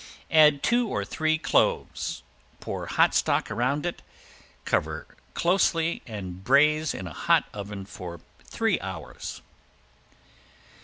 Add two or three cloves, pour hot stock around it, cover closely and braise in a hot oven for three hours.